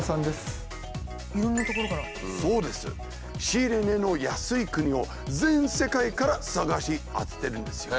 仕入れ値の安い国を全世界から探し当ててるんですよ。